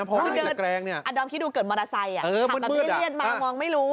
อันดอมคิดดูเกิดมอเตอร์ไซส์อ่ะขับแบบนี้เลี่ยนมามองไม่รู้อ่ะ